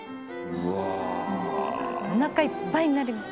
「うわあ」「おなかいっぱいになります」